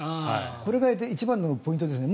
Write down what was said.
これが一番のポイントですね。